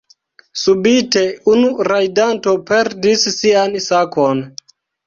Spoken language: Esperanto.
Subite unu rajdanto perdis sian sakon.